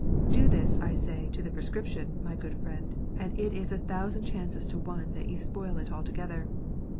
Do this, I say, to the prescription, my good friend, and it is a thousand chances to one that you spoil it altogether.